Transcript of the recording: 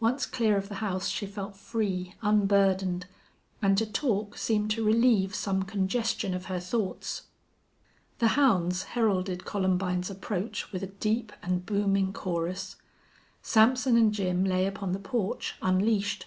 Once clear of the house she felt free, unburdened, and to talk seemed to relieve some congestion of her thoughts. The hounds heralded Columbine's approach with a deep and booming chorus. Sampson and Jim lay upon the porch, unleashed.